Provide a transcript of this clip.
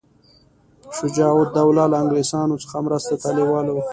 شجاع الدوله له انګلیسیانو څخه مرستې ته لېواله وو.